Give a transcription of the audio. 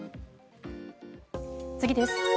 次です。